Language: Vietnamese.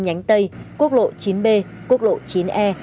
nhánh tây quốc lộ chín b quốc lộ chín e